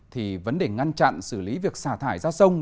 thì vấn đề ngăn chặn xử lý việc xả thải ra sông